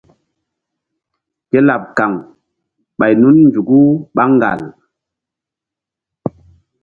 Ke laɓ kaŋ ɓay nun nzuku ɓá ŋgal.